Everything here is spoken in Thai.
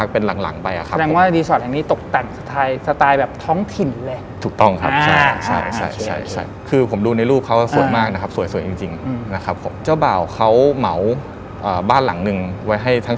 เป็นผู้หญิง